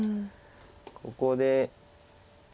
ここで。